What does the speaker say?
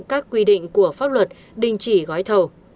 các quy định của pháp luật đình chỉ gói thầu